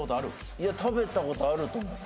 いや食べたことあると思います